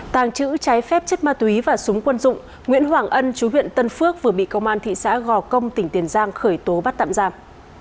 tàng trữ trái phép chất ma túy và súng quân dụng nguyễn hoàng ân chú huyện tân phước vừa bị công an thị xã gò công tỉnh tiền giang khởi tố bắt tạm giam